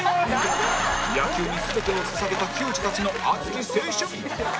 野球に全てを捧げた球児たちの熱き青春！